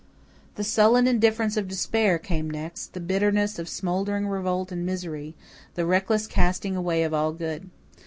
The sullen indifference of despair came next, the bitterness of smouldering revolt and misery, the reckless casting away of all good.